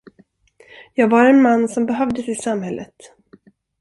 Jag var en man som behövdes i samhället.